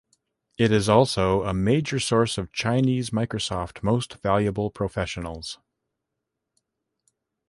It is also a major source of Chinese Microsoft Most Valuable Professionals.